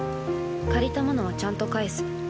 借りたものをちゃんと返す。